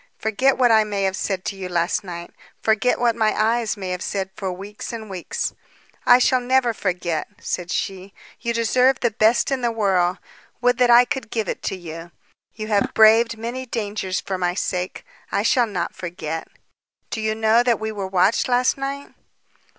Forget what I may have said to you last night, forget what my eyes may have said for weeks and weeks." "I shall never forget," said she. "You deserve the best in the world. Would that I could give it to you. You have braved many dangers for my sake. I shall not forget. Do you know that we were watched last night?"